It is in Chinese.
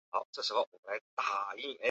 从未见过面